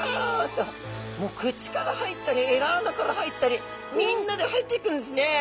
もう口から入ったりえらあなから入ったりみんなで入っていくんですね。